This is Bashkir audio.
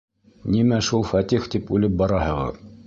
Нимә шул Фәтих тип үлеп бараһығыҙ?